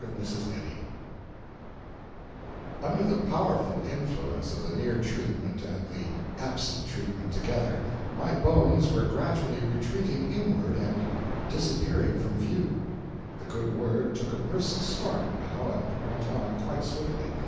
III Under the powerful influence of the near treatment and the absent treatment together, my bones were gradually retreating inward and disappearing from view. The good word took a brisk start, now, and went on quite swiftly.